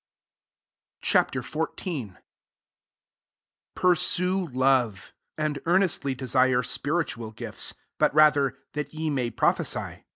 Ch. XIV. 1 Pursue love; and earnestly desire spiritual gifts ; but rather that ye may prophesy.